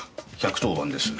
１１０番です。